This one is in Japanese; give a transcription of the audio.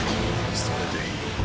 それでいい。